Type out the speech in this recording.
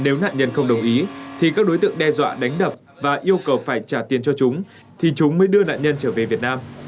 nếu nạn nhân không đồng ý thì các đối tượng đe dọa đánh đập và yêu cầu phải trả tiền cho chúng thì chúng mới đưa nạn nhân trở về việt nam